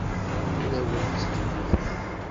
Ur awent-ttkellixeɣ.